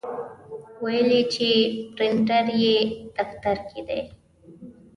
ویل یې چې پرنټر یې دفتر کې دی.